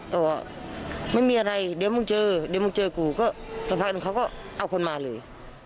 แต่ว่าไม่มีอะไรเดี๋ยวมึงเจอเดี๋ยวมึงเจอกูก็สักพักนึงเขาก็เอาคนมาเลย